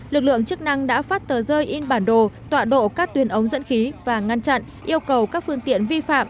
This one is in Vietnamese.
lực lượng chức năng đã phát tờ rơi in bản đồ tọa độ các tuyên ống dẫn khí và ngăn chặn yêu cầu các phương tiện vi phạm